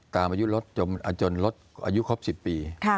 ตามอายุรถจนลดอายุครบ๑๐ปี